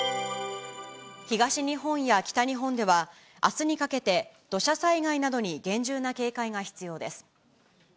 東日本や北日本では、あすにかけて土砂災害などに厳重な警戒が必要です。